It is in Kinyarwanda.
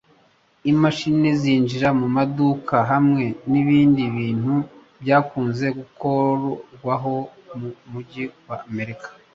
imashini zinjira mu maduka hamwe n’ibindi bintu byakunze gukorwaho mu mujyi wa Amerika